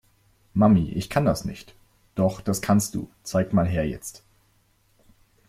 Mami, ich kann das nicht. Doch, das kannst du. Zeig mal her jetzt.